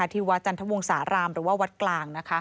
ที่วัดจันทวงศาลามหรือว่าวัดกลาง